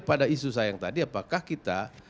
pada isu saya yang tadi apakah kita